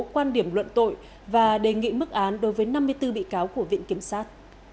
quan điểm luận tội và đề nghị mức án đối với năm mươi bốn bị cáo của viện kiểm sát